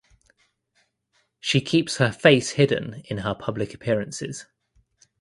She keeps her face hidden in her public appearances.